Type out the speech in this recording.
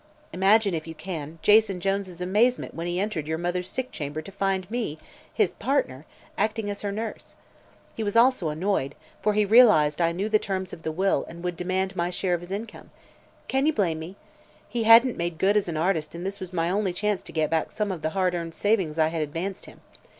Imagine, if you can, Jason Jones' amazement when he entered your mother's sick chamber to find me his partner acting as her nurse. He was also annoyed, for he realized I knew the terms of the will and would demand my share of his income. Can you blame me? He hadn't made good as an artist and this was my only chance to get back some of the hard earned savings I had advanced him.